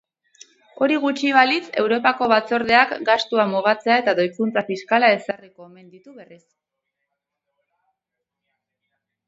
Hori gutxi balitz, Europako Batzordeak gastua mugatzea eta doikuntza fiskala ezarriko omen ditu berriz.